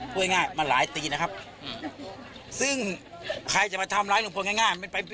พูดง่ายมาหลายปีนะครับซึ่งใครจะมาทำร้ายลุงพลง่าย